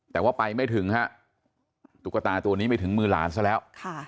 แต่ว่าไปไม่ถึงฮะตุ๊กตาตัวนี้ไม่ถึงมือหลานซะแล้ว